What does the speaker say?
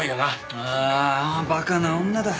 ああ馬鹿な女だ。